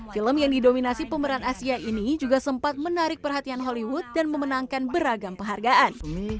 film yang didominasi pemeran asia ini juga sempat menarik perhatian hollywood dan memenangkan beragam penghargaan